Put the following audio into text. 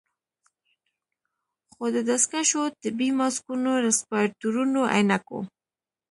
خو د دستکشو، طبي ماسکونو، رسپايرتورونو، عينکو